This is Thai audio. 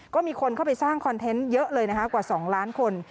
ก็มีคนเข้าไปสร้างคอนเทนต์เยอะเลยนะคะกว่า๒ล้านคน